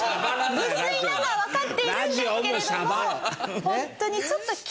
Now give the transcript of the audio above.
無粋なのはわかっているんですけれども。